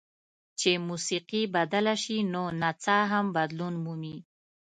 چې موسیقي بدله شي نو نڅا هم بدلون مومي.